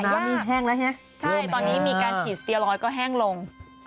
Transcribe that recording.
ตุ่มน้ำนี่แห้งแล้วฮะโอเคใช่ตอนนี้มีการฉีดสเตียรอยก็แห้งลง